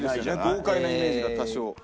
豪快なイメージが多少。